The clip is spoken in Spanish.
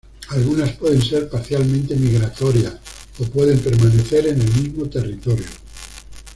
Algunas pueden ser parcialmente migratorias o puede permanecer en el mismo territorio.